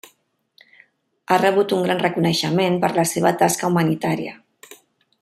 Ha rebut un gran reconeixement per la seva tasca humanitària.